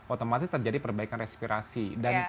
otomatis terjadi perbaikan respirasi